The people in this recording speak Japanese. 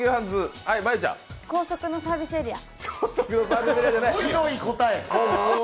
高速のサービスエリア。